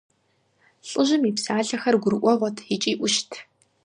ЛӀыжьым и псалъэхэр гурыӀуэгъуэт икӀи Ӏущт.